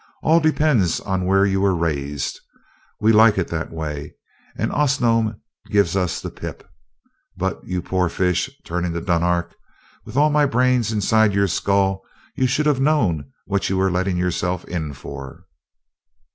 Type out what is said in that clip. "All depends on where you were raised. We like it that way, and Osnome gives us the pip. But you poor fish," turning again to Dunark, "with all my brains inside your skull, you should have known what you were letting yourself in for."